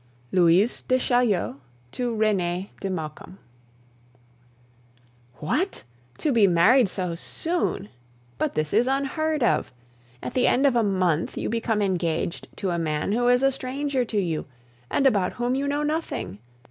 LOUISE DE CHAULIEU TO RENEE DE MAUCOMBE WHAT! To be married so soon. But this is unheard of. At the end of a month you become engaged to a man who is a stranger to you, and about whom you know nothing.